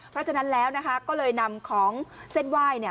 เพราะฉะนั้นแล้วนะคะก็เลยนำของเส้นไหว้เนี่ย